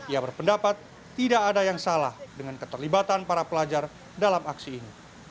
ia berpendapat tidak ada yang salah dengan keterlibatan para pelajar dalam aksi ini